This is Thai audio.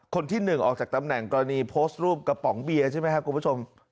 คนที่๑ออกจากตำแหน่งกรณีโพสต์รูปกระป๋องเบียร์ใช่ไหมครับคุณผู้ชม